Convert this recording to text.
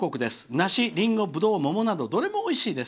なし、りんご、ぶどうなどどれもおいしいです。